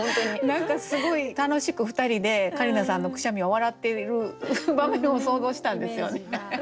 何かすごい楽しく２人で桂里奈さんのくしゃみを笑っている場面を想像したんですよね。